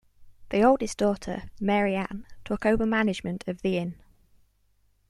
The oldest daughter, Mary Ann, took over management of the inn.